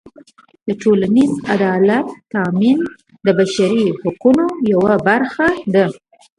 د ټولنیز عدالت تأمین د بشري حقونو یوه برخه ده.